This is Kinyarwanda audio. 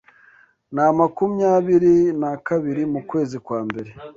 Na makumyabiri na kabiri mu kwezi kwa mbere